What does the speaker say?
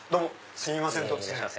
すみません突然。